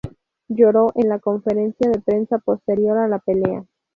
Lloró en la conferencia de prensa posterior a la pelea.